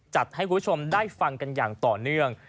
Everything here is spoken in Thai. จัดให้คุณผู้ชมได้ฟังกันอย่างต่อเนื่อง